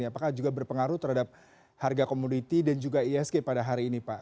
apakah juga berpengaruh terhadap harga komoditi dan juga isg pada hari ini pak